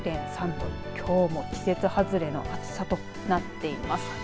きょうも季節外れの暑さとなっています。